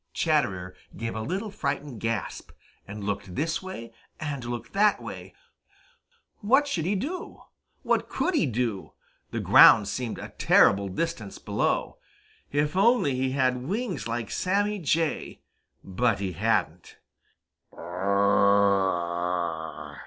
Chatterer gave a little frightened gasp and looked this way and looked that way. What should he do? What could he do! The ground seemed a terrible distance below. If only he had wings like Sammy Jay! But he hadn't.